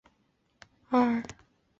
广告也太多了吧